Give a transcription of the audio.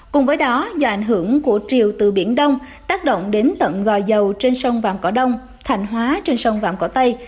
cùng với đó do ảnh hưởng của triều từ biển đông tác động đến tận gò dầu trên sông vàm cỏ đông thành hóa trên sông vàm cỏ tây